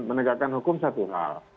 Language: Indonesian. menegakkan hukum satu hal